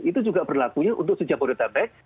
itu juga berlakunya untuk sejak modul tabek